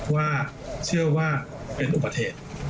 ว่าเชื่อว่าเป็นอุปเทศ